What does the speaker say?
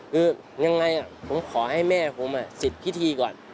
คือยังไงผมขอให้แม่ผมเสร็จพิธีก่อน